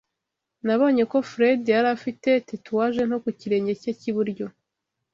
Nabonye ko Fredy yari afite tatouage nto ku kirenge cye cy'iburyo.